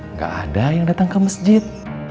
nggak ada yang datang ke masjid